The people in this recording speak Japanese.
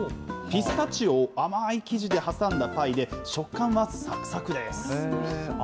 ピスタチオを甘い生地で挟んだパイで、食感はさくさくです。